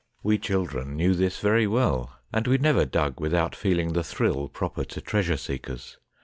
We children knew this very well, and we never dug without feeling the thrill proper to treasure seekers.